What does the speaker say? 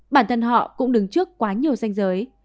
bản thân họ cũng đứng trước quá nhiều danh giới